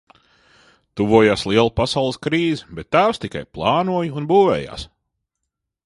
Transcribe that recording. "Tuvojās liela Pasaules krīze, bet tēvs tikai "plānoja" un "būvējās"."